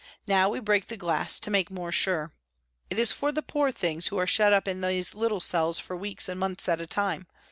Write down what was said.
Now we break the glass to make more sure. It is for the poor things who are shut up in these little cells for weeks and months at a time.